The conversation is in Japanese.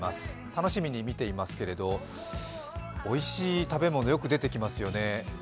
楽しみに見ていますけどおいしい食べ物よく出てきますよね。